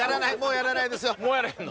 もうやらへんの？